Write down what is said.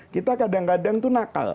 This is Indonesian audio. kita kadang kadang tuh nakal